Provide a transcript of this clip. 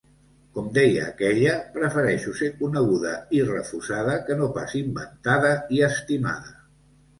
Com deia aquella, prefereixo ser coneguda i refusada que no pas inventada i estimada.